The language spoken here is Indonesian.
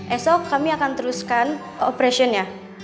esok kami akan teruskan operationnya